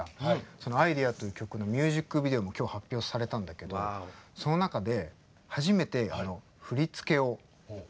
その「アイデア」という曲のミュージックビデオも今日発表されたんだけどその中で初めて振り付けを息子にお願いしたの。